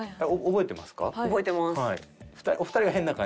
覚えてます。